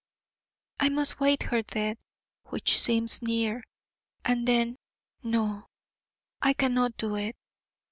I must wait her death, which seems near, and then No, I cannot do it.